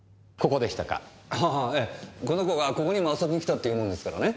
この子がここにも遊びに来たって言うもんですからね。